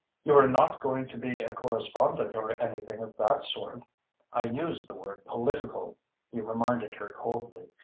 You are not going to be a corespondent or any thing of that sort?" "I used the word 'political,'" he reminded her coldly.